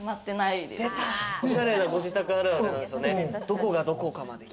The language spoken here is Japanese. どこがどこまでだ？